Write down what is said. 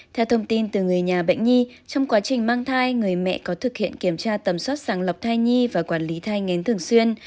theo thông tin từ người nhà bệnh nhi trong quá trình mang thai người mẹ có thực hiện kiểm tra tầm soát sàng lọc thai nhi và quản lý thai ngến thường xuyên